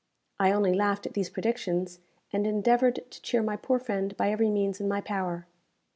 I only laughed at these predictions, and endeavoured to cheer my poor friend by every means in my power.